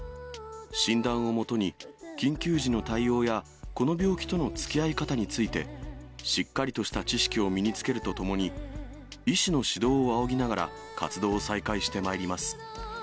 診断をもとに、緊急時の対応やこの病気とのつきあい方について、しっかりとした知識を身につけるとともに、医師の指導を仰ぎながら、活動を再開してまいります。